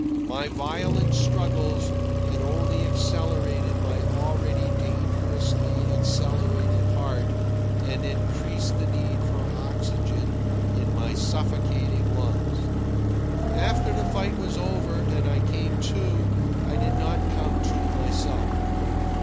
My violent struggles had only accelerated my already dangerously accelerated heart, and increased the need for oxygen in my suffocating lungs. After the fight was over and I came to, I did not come to myself.